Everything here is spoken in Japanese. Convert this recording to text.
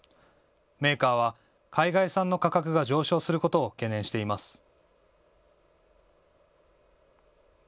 メーカーは海外産の価格が上昇することを懸念しています。